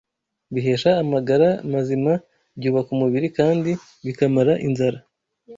bihesha amagara mazima, byubaka umubiri kandi bikamara inzara